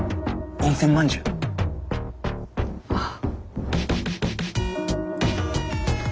温泉まんじゅう怖い。